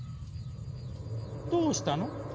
どうしたの？